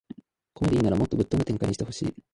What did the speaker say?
コメディならもっとぶっ飛んだ展開にしてほしい